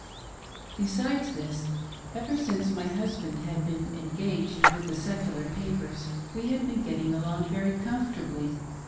Besides this, ever since my husband had been engaged with the secular papers, we had been getting along very comfortably.